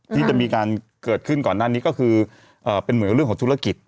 ที่จะมีการเกิดขึ้นก่อนหน้านี้ก็คือเป็นเหมือนกับเรื่องของธุรกิจ